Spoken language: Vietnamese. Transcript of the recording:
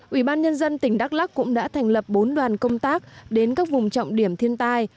ủy ban nhân dân tỉnh đắk lắc cũng đã thành lập bốn đoàn công tác đến các vùng trọng điểm thiên tai